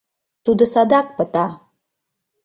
Тудо садак пыта.